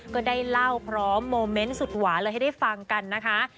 ก็ได้เล่าพร้อมโมเมนต์สุดหวานเลยให้ได้ฟังกันนะคะ